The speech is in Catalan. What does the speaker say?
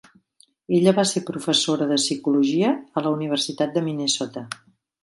Ella va ser professora de psicologia a la Universitat de Minnesota.